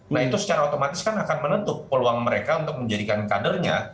nah itu secara otomatis kan akan menentuh peluang mereka untuk menjadikan kadernya